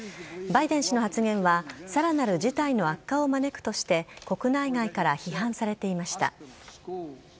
バイデン氏の発言はさらなる事態の悪化を招くとして、国内外から批判されていました。